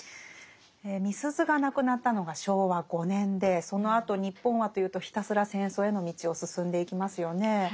みすゞが亡くなったのが昭和５年でそのあと日本はというとひたすら戦争への道を進んでいきますよね。